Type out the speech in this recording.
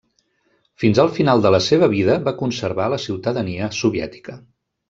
Fins al final de la seva vida va conservar la ciutadania soviètica.